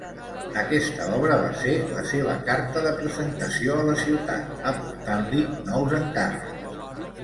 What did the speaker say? Aquesta obra va ser la seva carta de presentació a la ciutat, aportant-li nous encàrrecs.